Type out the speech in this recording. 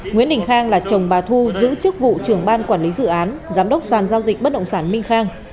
nguyễn đình khang là chồng bà thu giữ chức vụ trưởng ban quản lý dự án giám đốc sàn giao dịch bất động sản minh khang